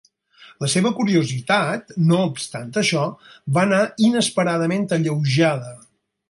La seva curiositat, no obstant això, va anar inesperadament alleujada.